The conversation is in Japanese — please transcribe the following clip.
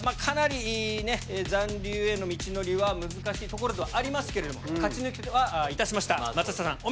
かなり残留への道のりは難しいところではありますけれども勝ち抜きはいたしました松下さん